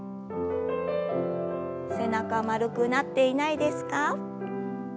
背中丸くなっていないですか？